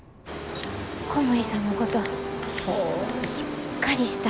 小森さんのことしっかりしたええ